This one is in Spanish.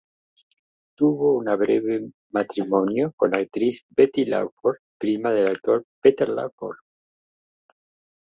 Tuvo un breve matrimonio con la actriz Betty Lawford, prima del actor Peter Lawford.